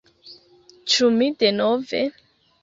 Ĉu mi denove...